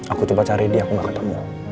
aku coba cari di aku gak ketemu